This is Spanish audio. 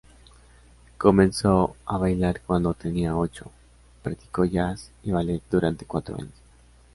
Comenzó a bailar cuando tenía ocho, practicó jazz y ballet durante cuatro años.